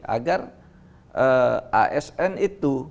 agar asn itu